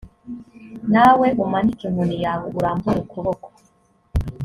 nawe umanike inkoni yawe urambure ukuboko